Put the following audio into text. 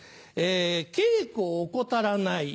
稽古を怠らない。